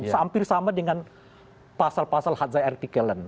hampir sama dengan pasal pasal hadzai artikelen